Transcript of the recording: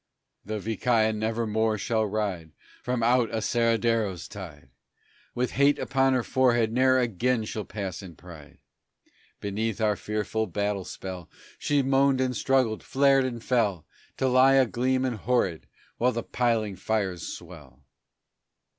The Vizcaya nevermore shall ride From out Aserradero's tide, With hate upon her forehead ne'er again she'll pass in pride; Beneath our fearful battle spell She moaned and struggled, flared and fell, To lie a gleam and horrid, while the piling fires swell.